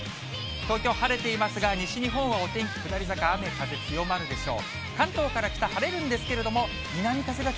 東京、晴れていますが、西日本はお天気下り坂、雨風強まるでしょう。